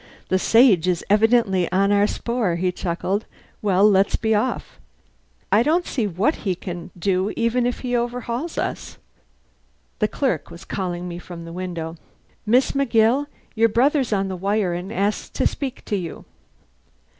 "The Sage is evidently on our spoor," he chuckled. "Well, let's be off. I don't see what he can do even if he overhauls us." The clerk was calling me from the window: "Miss McGill, your brother's on the wire and asks to speak to you."